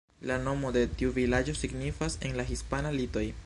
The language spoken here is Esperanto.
La nomo de tiu vilaĝo signifas en la hispana "Litoj".